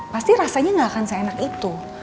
pasti rasanya gak akan seenak itu